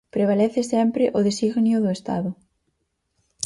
Prevalece sempre o designio do estado.